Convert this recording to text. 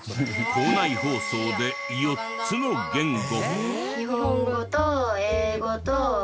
校内放送で４つの言語。